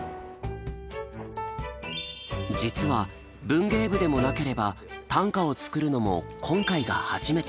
実は文芸部でもなければ短歌を作るのも今回が初めて。